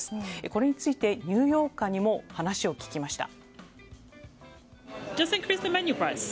これについてニューヨーカーにも話を聞きました。